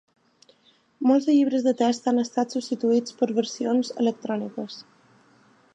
Molts llibres de text han estat substituïts per versions electròniques.